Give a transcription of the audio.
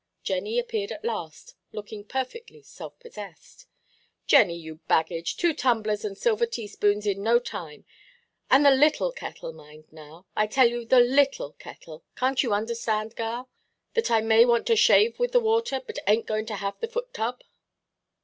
Jenny appeared at last, looking perfectly self–possessed. "Jenny, you baggage, two tumblers and silver teaspoons in no time. And the little kettle; mind now, I tell you the little kettle. Canʼt you understand, gal, that I may want to shave with the water, but ainʼt going to have the foot–tub?"